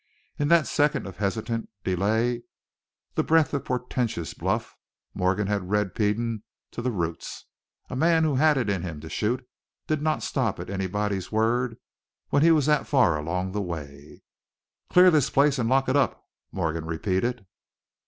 In that second of hesitant delay, that breath of portentous bluff, Morgan had read Peden to the roots. A man who had it in him to shoot did not stop at anybody's word when he was that far along the way. "Clear this place and lock it up!" Morgan repeated.